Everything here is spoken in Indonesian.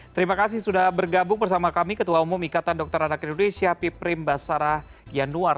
terima kasih sudah bergabung bersama kami ketua umum ikatan dokter anak indonesia piprim basarah yanuar